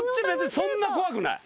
そんな怖くない。